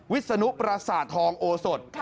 วิศนุปราสาททองโอสด